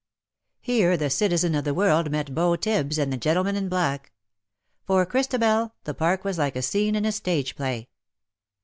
Here the Citizen of the World met Beau Tibbs and the gentleman in black. For Christabel, the Park was like a scene in a stage play.